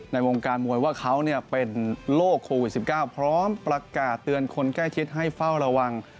ในวงการมวยว่าเขาเป็นโรคโควิด๑๙พร้อมประกาศเตือนคนใกล้ชิดให้เฝ้าระวัง